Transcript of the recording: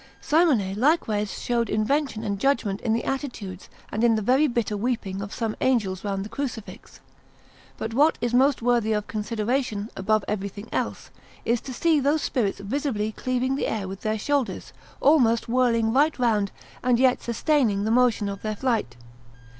Simone likewise showed invention and judgment in the attitudes and in the very bitter weeping of some angels round the Crucifix. But what is most worthy of consideration, above everything else, is to see those spirits visibly cleaving the air with their shoulders, almost whirling right round and yet sustaining the motion of their flight.